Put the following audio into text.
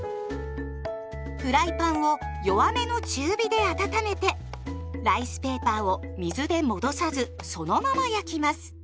フライパンを弱めの中火で温めてライスペーパーを水で戻さずそのまま焼きます。